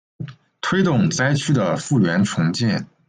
推动灾区的复原重建